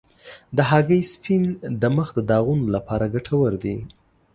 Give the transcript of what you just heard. د هګۍ سپین د مخ د داغونو لپاره ګټور دی.